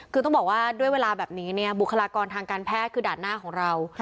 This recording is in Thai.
คือต้องบอกว่าด้วยเวลาแบบนี้เนี่ยบุคลากรทางการแพทย์คือด่านหน้าของเรา